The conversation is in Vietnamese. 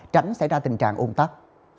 tránh xảy ra tình trạng ôn tắt